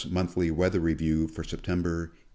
Monthly Weather Review for September, 1878.